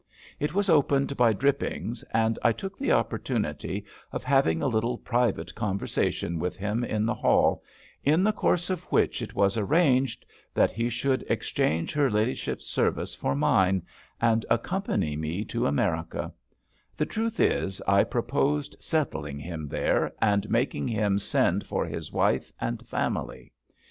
It was opened by Drippings, and I took the opportunity of having a little private conversation with him in the hall, in the course of which it was arranged that he should exchange her ladyship's service for mine, and accompany me to America: the truth is, I proposed settling him there, and making him send for his wife and family.